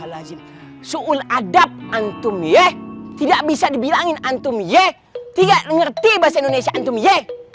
alazim suul adab antum ye tidak bisa dibilangin antum ye tidak mengerti bahasa indonesia antum ye